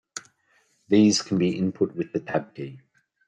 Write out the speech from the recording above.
These can be input with tab key.